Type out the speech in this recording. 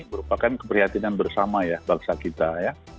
merupakan keprihatinan bersama ya bangsa kita ya